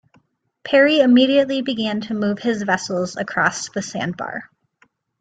Perry immediately began to move his vessels across the sandbar.